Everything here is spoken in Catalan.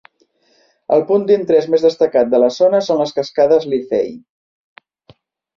El punt d'interès més destacat de la zona són les cascades Liffey.